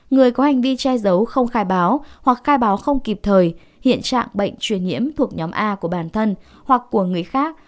người có hành vi che giấu không khai báo hoặc khai báo không kịp thời hiện trạng bệnh truyền nhiễm thuộc nhóm a của bản thân hoặc của người khác